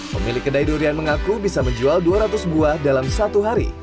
pemilik kedai durian mengaku bisa menjual dua ratus buah dalam satu hari